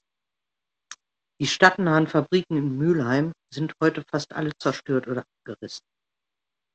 Die stadtnahen Fabriken in Mülheim sind heute fast alle zerstört oder abgerissen.